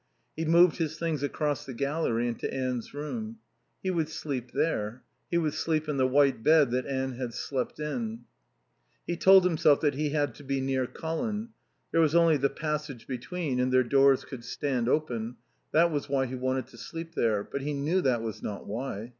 He moved his things across the gallery into Anne's room. He would sleep there; he would sleep in the white bed that Anne had slept in. He told himself that he had to be near Colin; there was only the passage between and their doors could stand open; that was why he wanted to sleep there. But he knew that was not why.